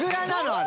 あれ。